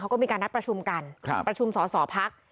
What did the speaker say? เขาก็มีการนัดประชุมกันประชุมสอสอพัก